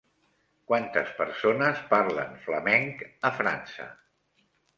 Quantes persones parlen flamenc a França?